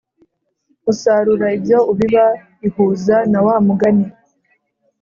usarura ibyo ubiba ihuza na wa mugani